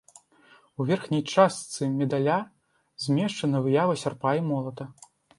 У верхняй частцы медаля змешчана выява сярпа і молата.